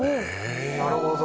なるほど。